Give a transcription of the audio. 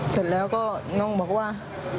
เสร็จแล้วก็น้องบอกว่า